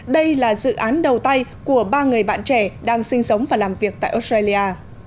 đây là dự án đầu tay của ba người bạn trẻ đang sinh sống và làm việc tại australia